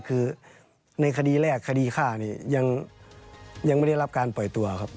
คือในคดีแรกคดีฆ่าเนี่ยยังไม่ได้รับการปล่อยตัวครับ